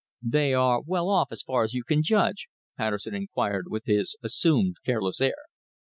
"They are well off, as far as you can judge?" Patterson inquired with his assumed careless air.